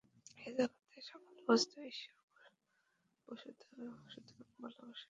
এই জগতের সকল বস্তুই ঈশ্বর-প্রসূত, সুতরাং ভালবাসার যোগ্য।